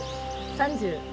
３０。